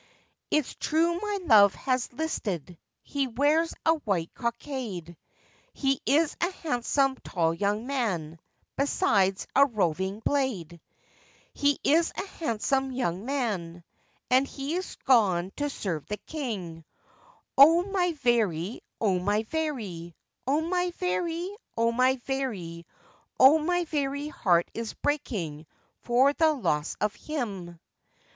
'It's true my love has listed, he wears a white cockade, He is a handsome tall young man, besides a roving blade; He is a handsome young man, and he's gone to serve the king, Oh! my very heart is breaking for the loss of him.